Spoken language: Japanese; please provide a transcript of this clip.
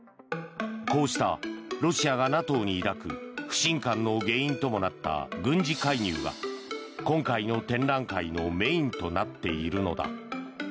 こうしたロシアがＮＡＴＯに抱く不信感の原因ともなった軍事介入は今回の展覧会のメインとなっているのだ。